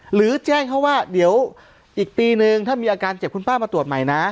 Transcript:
หรือแจ้งเขาว่าเดี๋ยวอีกปีนึงถ้ามีอาการเจ็บคุณป้ามาตรวจใหม่นะ